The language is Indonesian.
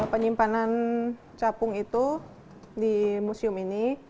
penyimpanan capung itu di museum ini